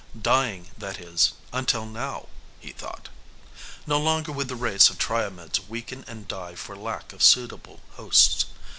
Dying that is, until now, he thought. No longer would the race of Triomeds weaken and die for lack of suitable hosts.